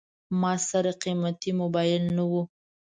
ما سره ډېر قیمتي موبایل نه و.